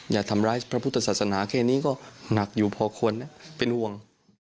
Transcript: อย่าทำร้ายพระพุทธศาสนาแค่นี้ก็หนักอยู่พอควรเป็นห่วง